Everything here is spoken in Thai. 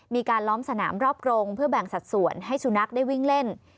มีการล้อมสนามรอบกรงเพื่อแบ่งสัดส่วนให้สุนัขได้วิ่งเล่น